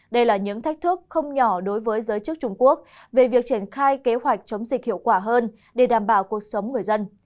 đây là những thách thức không nhỏ đối với giới chức trung quốc về việc triển khai kế hoạch chống dịch hiệu quả hơn để đảm bảo cuộc sống người dân